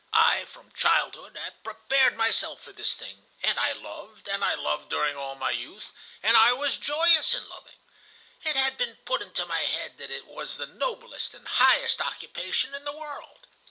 I from childhood had prepared myself for this thing, and I loved, and I loved during all my youth, and I was joyous in loving. It had been put into my head that it was the noblest and highest occupation in the world.